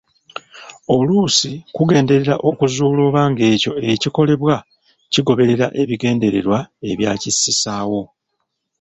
Oluusi kugenderera okuzuula oba ng’ekyo ekikolebwa kigoberera ebigendererwa ebyakississaawo.